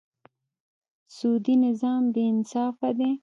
سودي نظام بېانصافه دی.